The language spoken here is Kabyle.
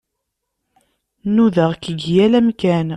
Nudaɣ-k deg yal amkan.